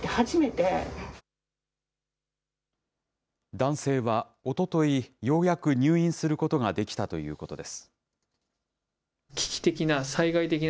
男性は、おととい、ようやく入院することができたということです。